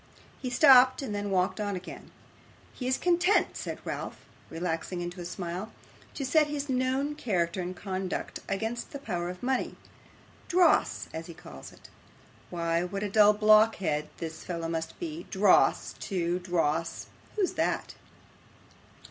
He stopped, and then walked on again. 'He is content,' said Ralph, relaxing into a smile, 'to set his known character and conduct against the power of money dross, as he calls it. Why, what a dull blockhead this fellow must be! Dross to, dross! Who's that?